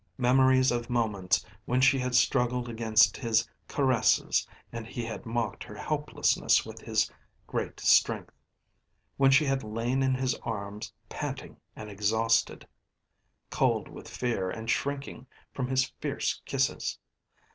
Memories of moments when she had struggled against his caresses, and he had mocked her helplessness with his great strength, when she had lain in his arms panting and exhausted, cold with fear and shrinking from his fierce kisses.